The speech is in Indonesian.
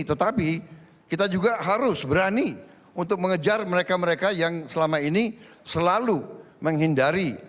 tetapi kita juga harus berani untuk mengejar mereka mereka yang selama ini selalu menghindari